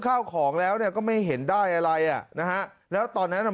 ข้าวของแล้วเนี่ยก็ไม่เห็นได้อะไรอ่ะนะฮะแล้วตอนนั้นอ่ะ